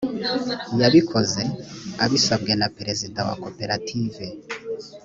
yabikoze abisabwe na perezida wa koperative.